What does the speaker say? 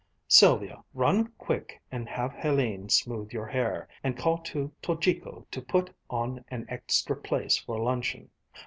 "Sylvia, run quick and have Hélène smooth your hair. And call to Tojiko to put on an extra place for luncheon.